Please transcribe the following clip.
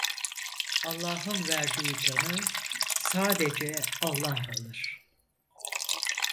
Allah’ın verdiği canı, sadece Allah alır!